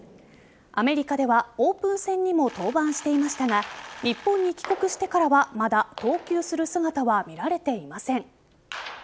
アメリカではオープン戦にも登板していましたが日本に帰国してからはまだ投球する姿は見られていません。